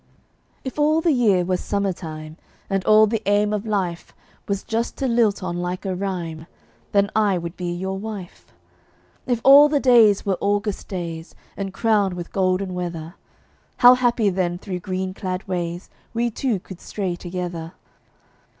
If all the year was summer time, And all the aim of life Was just to lilt on like a rhyme, Then I would be your wife. If all the days were August days, And crowned with golden weather, How happy then through green clad ways We two could stray together!